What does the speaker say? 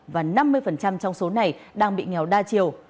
và năm mươi trong số này đang bị nghèo đa chiều